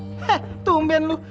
heh tumben lu